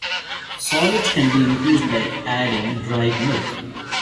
Solids can be increased by adding dried milk.